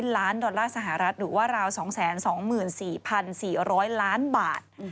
ล้านดอลลาร์สหรัฐหรือว่าราว๒๒๔๔๐๐ล้านบาท